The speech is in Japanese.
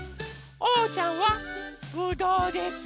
おうちゃんはぶどうです。